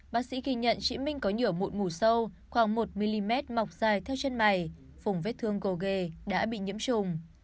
bác sĩ ghi nhận chị minh có nhửa mụn ngủ sâu khoảng một mm mọc dài theo chân mày vùng vết thương gồ ghê đã bị nhiễm trùng